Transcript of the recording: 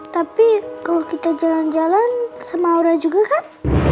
tapi kalau kita jalan jalan sama aura juga kan